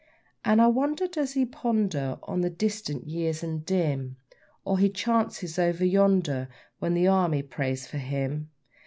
And I wonder does he ponder on the distant years and dim, Or his chances over yonder, when the Army prays for him?